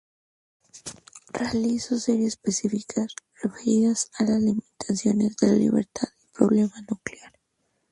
Realizó series específicas referidas a las limitaciones de la libertad y al problema nuclear.